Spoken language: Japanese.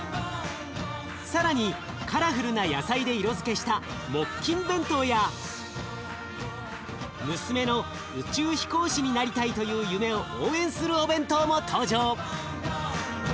更にカラフルな野菜で色づけした木琴弁当や娘の宇宙飛行士になりたいという夢を応援するお弁当も登場。